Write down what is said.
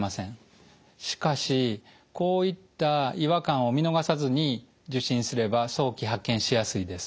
しかしこういった違和感を見逃さずに受診すれば早期発見しやすいです。